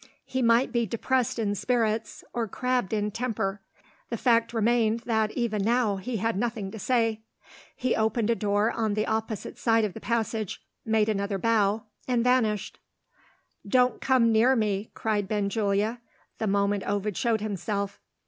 He might be depressed in spirits, or crabbed in temper: the fact remained that, even now, he had nothing to say. He opened a door on the opposite side of the passage made another bow and vanished. "Don't come near me!" cried Benjulia, the moment Ovid showed himself.